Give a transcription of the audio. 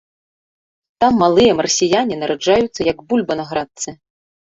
Там малыя марсіяне нараджаюцца як бульба на градцы.